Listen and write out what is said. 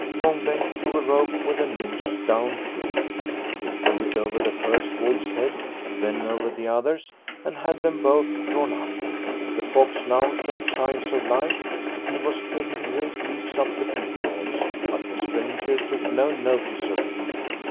Long Bengt threw a rope with a noose down to him. He drew it over the first wolf's head, then over the other's, and had them both drawn up. The fox now showed signs of life. He was taking great leaps up the pit walls, but the stranger took no notice of him.